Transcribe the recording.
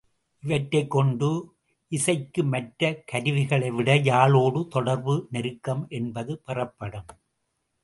இவற்றைக் கொண்டு, இசைக்கு, மற்ற கருவிகளைவிட யாழோடு தொடர்பு நெருக்கம் என்பது பெறப்படும்.